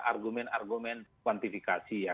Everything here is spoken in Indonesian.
argumen argumen kuantifikasi ya